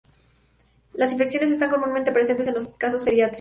Las infecciones están comúnmente presentes en los casos pediátricos.